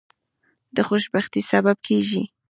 د خوشبختی سبب کیږي.